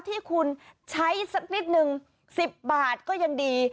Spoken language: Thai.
ที่คุณใช้สักนิดนึง๑๐บาทก็ยังดี